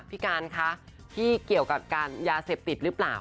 พี่การคะพี่เกี่ยวกับการยาเสพติดหรือเปล่า